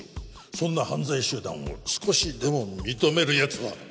そんな犯罪集団を少しでも認めるやつは